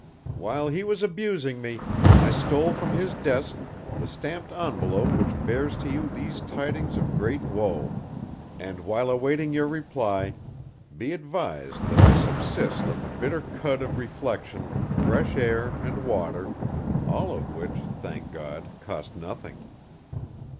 While he was abusing me, I stole from his desk the stamped envelope which bears to you these tidings of great woe; and while awaiting your reply, be advised that I subsist on the bitter cud of reflection, fresh air, and water, all of which, thank God, cost nothing.